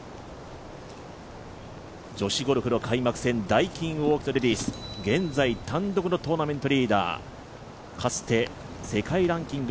女子ゴルフの開幕戦ダイキンオーキッドレディス、現在単独のトーナメントリーダー、かつて世界ランキング